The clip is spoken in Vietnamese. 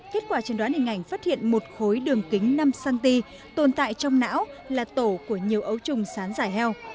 kết quả chẩn đoán hình ảnh phát hiện một khối đường kính năm cm tồn tại trong não là tổ của nhiều ấu trùng sán giải heo